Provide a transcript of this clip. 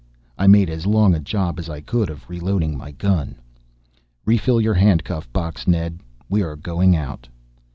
I made as long a job as I could of reloading my gun. "Refill your handcuff box, Ned. We are going out."